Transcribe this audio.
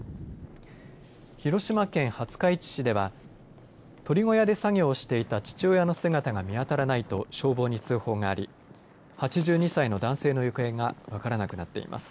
広島県廿日市市では鳥小屋で作業をしていた父親の姿が見当たらないと消防に通報があり８２歳の男性の行方が分からなくなっています。